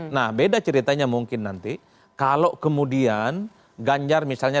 nah beda ceritanya mungkin nanti kalau kemudian ganjar misalnya